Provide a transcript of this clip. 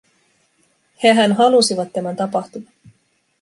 Hehän halusivat tämän tapahtuvan.